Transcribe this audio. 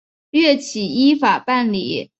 岳起依法办理。